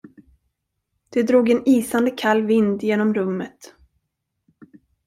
Det drog en isande kall vind genom rummet.